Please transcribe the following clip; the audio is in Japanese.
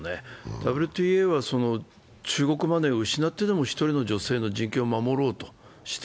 ＷＴＡは中国マネーを失ってでも１人の女性の人権を守ろうとした。